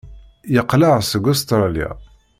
Yeqleɛ seg Ustṛalya.